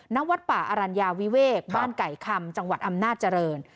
ณวัดป่าอรัญญาวิเวกบ้านไก่คำจังหวัดอำนาจเจริญ